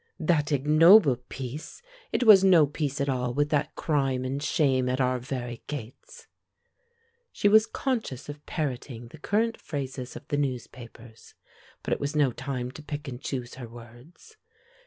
"That ignoble peace! It was no peace at all, with that crime and shame at our very gates." She was conscious of parroting the current phrases of the newspapers, but it was no time to pick and choose her words.